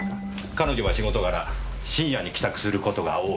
彼女は仕事柄深夜に帰宅する事が多い。